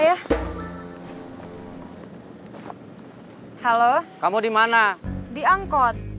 ya ilang ada ada kok